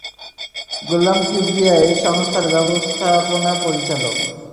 গোলাম কিবরিয়া এই সংস্থার ব্যবস্থাপনা পরিচালক।